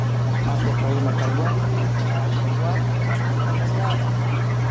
افریقایي متل وایي په یووالي کار کول بریا ده.